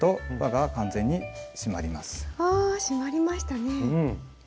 ああ締まりましたね。